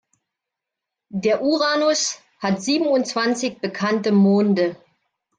Der Uranus hat siebenundzwanzig bekannte Monde.